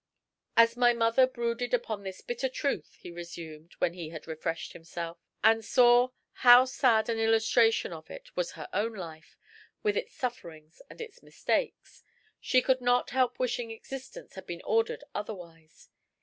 "As my mother brooded upon this bitter truth," he resumed, when he had refreshed himself, "and saw how sad an illustration of it was her own life with its sufferings and its mistakes she could not help wishing existence had been ordered otherwise.